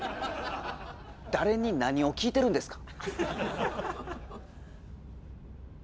誰に何を聞いてるんですか？